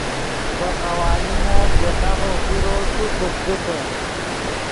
ڤے قوانینف ژے سافف پیرو تو پزگیتے